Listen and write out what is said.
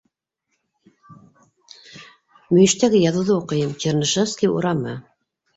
Мөйөштәге яҙыуҙы уҡыйым: Чернышевский урамы.